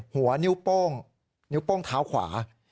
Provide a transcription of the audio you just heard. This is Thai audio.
หัวนิ้วโป้งนิ้วโป้งเท้าขวา